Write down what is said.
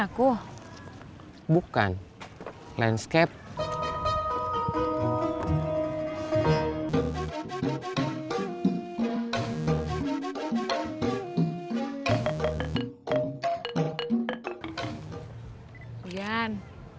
aku juga bisa ambil keputusan